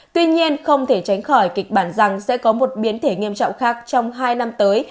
tuy nhiên không thể tránh khỏi kịch bản rằng sẽ có một biến thể nghiêm trọng khác trong hai năm tới